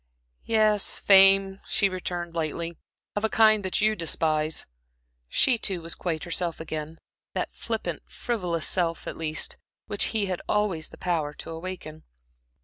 "Yes, fame," she returned, lightly "of a kind that you despise." She, too, was quite herself again that flippant, frivolous self, at least, which he had always the power to awaken.